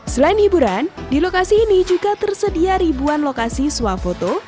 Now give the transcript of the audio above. selain hiburan di lokasi ini juga tersedia ribuan lokasi swafoto